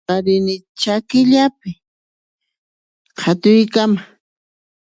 Nuqa rini chakillapi qhatuykama.